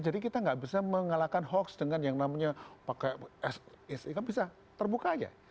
jadi kita nggak bisa mengalahkan hoax dengan yang namanya pakai s i k bisa terbuka aja